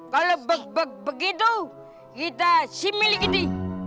kalau begitu kita simili gini